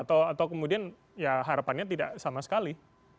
atau kemudian ya harapannya tidak sama sekali